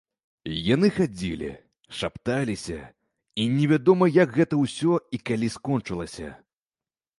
Яны хадзілі, шапталіся, і невядома як гэта ўсё і калі скончылася.